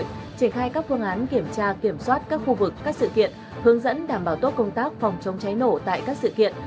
triển khai các phương án kiểm tra kiểm soát các khu vực các sự kiện hướng dẫn đảm bảo tốt công tác phòng chống cháy nổ tại các sự kiện